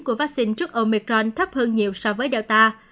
của vaccine trước omicron thấp hơn nhiều so với delta